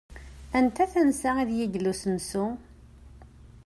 Anta tansa deg illa usensu?